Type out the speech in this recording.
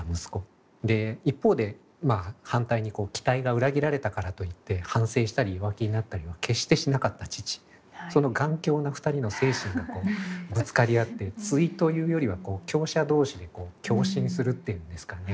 で一方で反対に期待が裏切られたからといって反省したり弱気になったりは決してしなかった父その頑強な２人の精神がこうぶつかりあって対というよりは強者同士で共振するっていうんですかね。